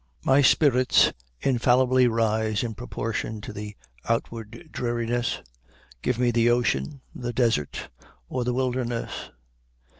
My spirits infallibly rise in proportion to the outward dreariness. Give me the ocean, the desert, or the wilderness!